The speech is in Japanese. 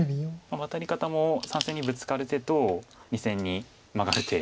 ワタリ方も３線にブツカる手と２線にマガる手。